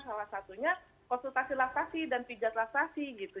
salah satunya konsultasi laktasi dan pijat laktasi gitu